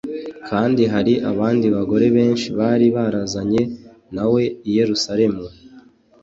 kandi hari abandi bagore benshi bari barazanye na we i Yerusalemu